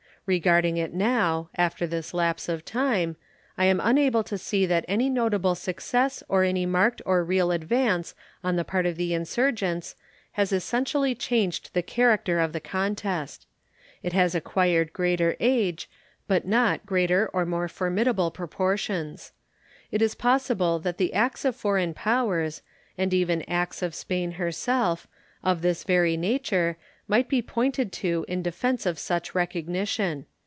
Regarding it now, after this lapse of time, I am unable to see that any notable success or any marked or real advance on the part of the insurgents has essentially changed the character of the contest. It has acquired greater age, but not greater or more formidable proportions. It is possible that the acts of foreign powers, and even acts of Spain herself, of this very nature, might be pointed to in defense of such recognition.